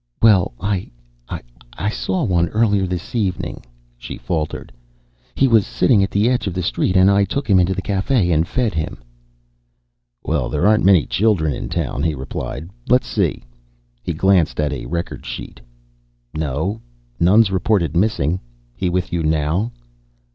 "Well I I saw one earlier this evening," she faltered. "He was sitting at the edge of the street and I took him into the cafe and fed him." "Well, there aren't many children in town," he replied. "Let's see." He glanced at a record sheet. "No, none's reported missing. He with you now?"